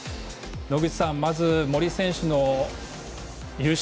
野口さん、まず森選手の優勝。